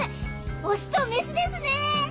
オスとメスですね！